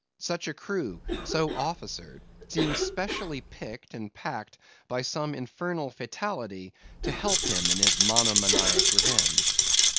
Such a crew, so officered, seemed specially picked and packed by some infernal fatality to help him to his monomaniac revenge.